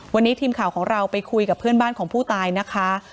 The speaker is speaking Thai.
วันนี้ทีมข่าวของเราไปคุยกับเพื่อนบ้านของผู้ตายนะคะ